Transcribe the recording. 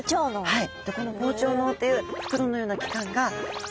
はい。